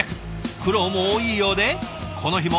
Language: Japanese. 苦労も多いようでこの日も。